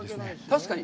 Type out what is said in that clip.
確かに。